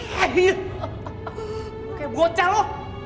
kayak bocah lo